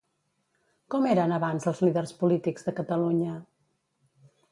Com eren abans els líders polítics de Catalunya?